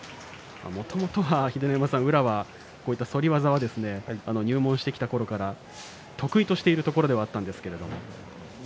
もともとは秀ノ山さん宇良は反り技は入門してきたころから得意としているところではあったんですけども。